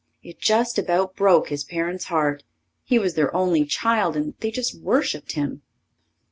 It just about broke his parents' hearts. He was their only child and they just worshipped him.